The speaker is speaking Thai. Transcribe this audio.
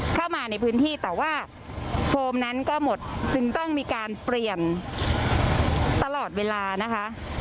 เข้ามาในพื้นที่แต่ว่าโฟมนั้นก็หมดจึงต้องมีการเปลี่ยนตลอดเวลานะคะ